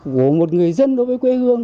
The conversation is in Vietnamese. của một người dân đối với quê hương